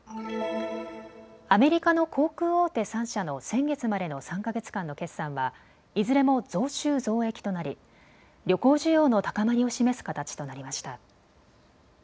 アメリカの航空大手３社の先月までの３か月間の決算はいずれも増収増益となり旅行需要の高まりを示す形となりました。